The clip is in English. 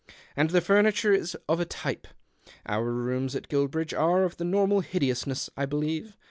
And the furniture is of a type. Our rooms at Guilbridge are of the normal hideousness, I believe.